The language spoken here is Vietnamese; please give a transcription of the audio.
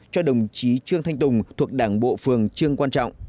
cho đồng chí trương thanh tùng thuộc đảng bộ phường trương quan trọng